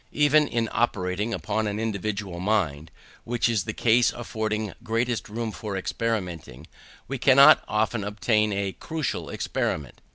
Even in operating upon an individual mind, which is the case affording greatest room for experimenting, we cannot often obtain a crucial experiment.